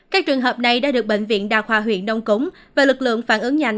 các trường hợp này đã được bệnh viện đà khoa huyện nông cống và lực lượng phản ứng nhanh